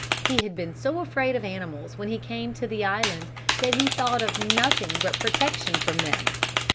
He had been so afraid of animals when he came to the island that he thought of nothing but protection from them.